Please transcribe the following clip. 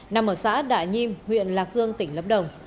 nằm ở xã đại nhiêm huyện lạc dương tỉnh lâm đồng